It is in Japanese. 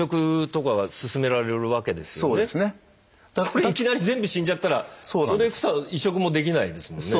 これいきなり全部死んじゃったら移植もできないですもんね？